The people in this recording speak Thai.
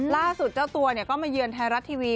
เจ้าตัวก็มาเยือนไทยรัฐทีวี